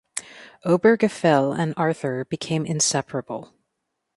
Obergefell and Arthur became inseparable.